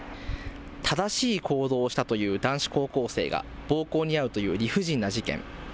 正しい行動をしたという男子高校生が暴行に遭うという理不尽な事件。